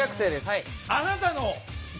はい。